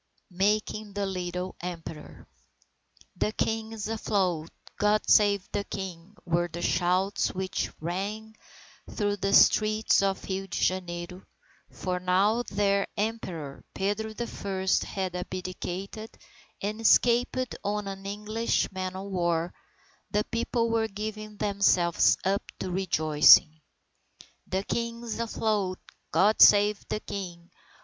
MAKING THE LITTLE EMPEROR "The King is afloat! God save the King!" were the shouts which rang through the streets of Rio Janeiro, for now that their Emperor Pedro the First had abdicated and escaped on an English man o war, the people were giving themselves up to rejoicing. "The King is afloat! God save the King!"